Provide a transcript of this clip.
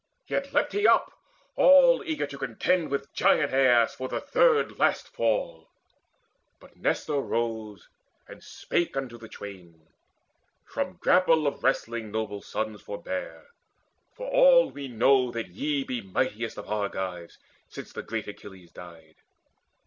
Yet leapt he up all eager to contend With giant Aias for the third last fall: But Nestor rose and spake unto the twain: "From grapple of wrestling, noble sons, forbear; For all we know that ye be mightiest Of Argives since the great Achilles died."